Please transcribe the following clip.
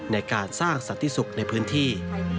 ในการสร้างสันติสุขในพื้นที่